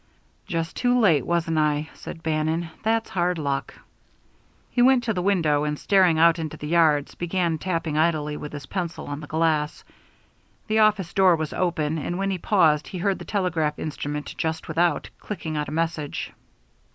"Just too late, wasn't I?" said Bannon. "That's hard luck." He went to the window and, staring out into the yards, began tapping idly with his pencil on the glass. The office door was open, and when he paused he heard the telegraph instrument just without, clicking out a message.